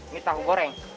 ini tahu goreng